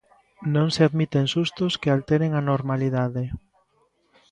Non se admiten sustos que alteren a normalidade.